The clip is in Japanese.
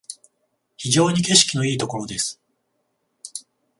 非常に景色のいいところです